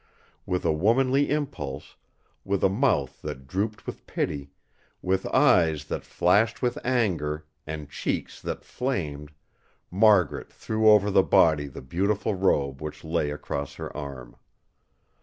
With a womanly impulse; with a mouth that drooped with pity, with eyes that flashed with anger, and cheeks that flamed, Margaret threw over the body the beautiful robe which lay across her arm.